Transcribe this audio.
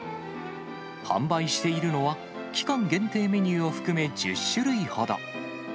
販売しているのは、期間限定メニューを含め１０種類ほど。